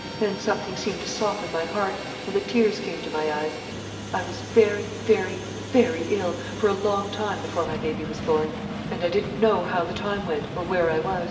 Then something seemed to soften my heart, and the tears came to my eyes. I was very, very, very ill, for a long time before my baby was born; and I didn't know how the time went, or where I was.